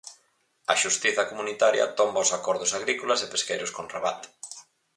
A xustiza comunitaria tomba os acordos agrícolas e pesqueiros con Rabat.